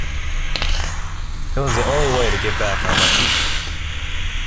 It was the only way to get back on my feet.